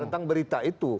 tentang berita itu